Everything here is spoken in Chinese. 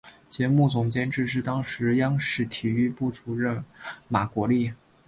节目总监制是当时的央视体育部主任马国力。